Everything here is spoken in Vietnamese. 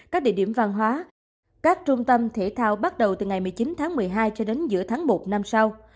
các địa điểm văn hóa các trung tâm thể thao bắt đầu từ ngày một mươi chín tháng một mươi hai cho đến giữa tháng một năm sau